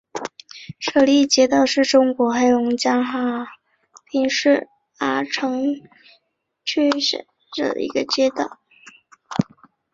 舍利街道是中国黑龙江省哈尔滨市阿城区下辖的一个街道。